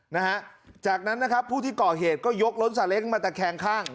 นะฮะจากนั้นนะครับผู้ที่ก่อเหตุก็ยกรถสาเล้งมาตะแคงข้าง